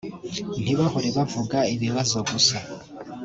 ntibahore bavuga ibibazo gusa